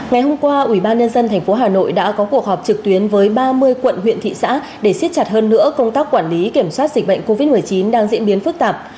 ngày hôm qua ubnd tp hà nội đã có cuộc họp trực tuyến với ba mươi quận huyện thị xã để xiết chặt hơn nữa công tác quản lý kiểm soát dịch bệnh covid một mươi chín đang diễn biến phức tạp